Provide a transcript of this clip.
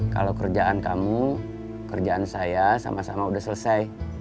kalau kerjaan kamu kerjaan saya sama sama udah selesai